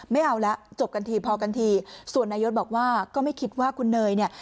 ไม่เอาแล้วจบกันทีพอกันทีส่วนนายกบอกว่าก็ไม่คิดว่าคุณเนยเนี่ย